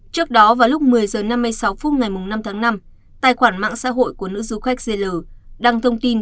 trước đó vào lúc một mươi h năm mươi sáu phút ngày năm tháng năm tài khoản mạng xã hội của nữ du khách z đăng thông tin